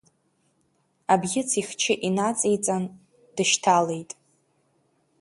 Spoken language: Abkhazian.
Абӷьыц ихчы инаҵеиҵан, дышьҭалеит.